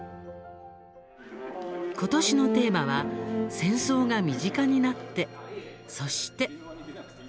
ことしのテーマは「戦争が“身近”になってそして。」